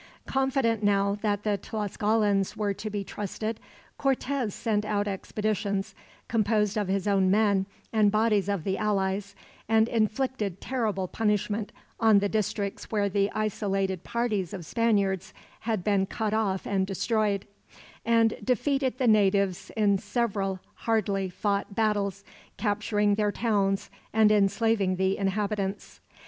Confident now that the Tlascalans were to be trusted, Cortez sent out expeditions, composed of his own men and bodies of the allies, and inflicted terrible punishment on the districts where the isolated parties of Spaniards had been cut off and destroyed; and defeated the natives in several hardly fought battles, capturing their towns and enslaving the inhabitants.